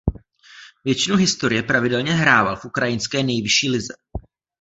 Většinu historie pravidelně hrával v ukrajinské nejvyšší lize.